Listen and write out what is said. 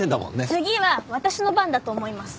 次は私の番だと思います。